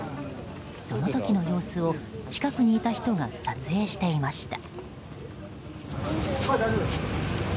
その時の様子を近くにいた人が撮影していました。